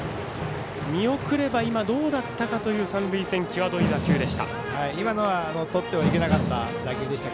見送れば今、どうだったかという三塁線際どい打球でした。